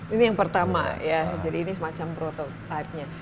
ini yang pertama ya jadi ini semacam prototipe nya